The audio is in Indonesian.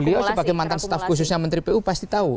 beliau sebagai mantan staf khususnya menteri pu pasti tahu